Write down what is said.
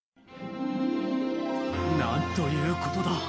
なんということだ！